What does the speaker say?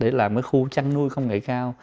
để làm cái khu chăn nuôi công nghệ cao